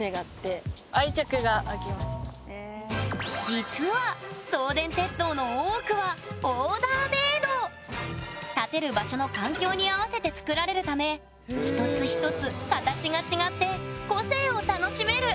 実は送電鉄塔の建てる場所の環境に合わせて作られるため一つ一つ形が違って個性を楽しめる！